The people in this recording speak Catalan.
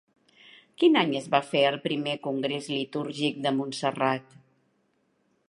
Quin any es va fer el Primer Congrés Litúrgic de Montserrat?